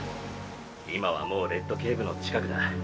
今はもうレッドケイブの近くだ。